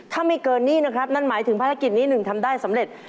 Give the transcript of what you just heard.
ถ้าไม่เกินหนี้นะครับนั่นหมายถึงภารกิจนี้หนึ่งทำได้สำเร็จ